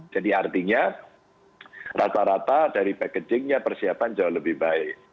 jadi artinya rata rata dari packagingnya persiapan jauh lebih baik